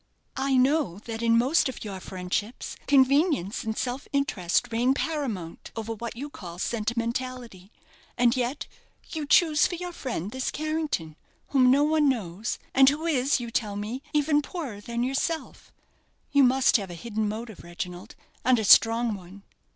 "I know that in most of your friendships convenience and self interest reign paramount over what you call sentimentality; and yet you choose for your friend this Carrington, whom no one knows; and who is, you tell me, even poorer than yourself. You must have a hidden motive, Reginald; and a strong one."